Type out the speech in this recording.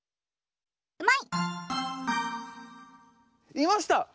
いました！